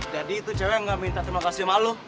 jadi itu cewek gak minta terima kasih sama lo